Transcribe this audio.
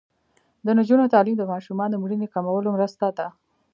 د نجونو تعلیم د ماشومانو مړینې کمولو مرسته ده.